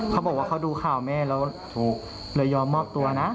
เขาบอกว่าเขาดูข่าวแม่แล้วเลยยอมมอบตัวนะ